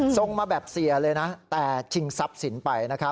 ส่งมาแบบเสียเลยนะแต่ชิงทรัพย์สินไป